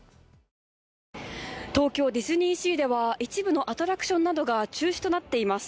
東京ディズニーシーでは一部のアトラクションなどが中止となっています。